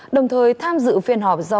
đồng thời tham dự phiên họp do